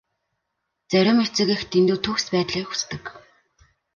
Зарим эцэг эх дэндүү төгс байдлыг хүсдэг.